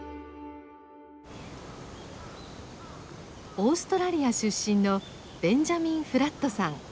オーストラリア出身のベンジャミン・フラットさん。